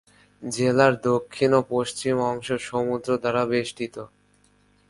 জেলার দক্ষিণ ও পশ্চিম অংশ সমুদ্র দ্বারা বেষ্টিত।